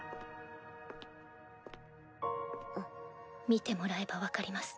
見てもらえば分かります。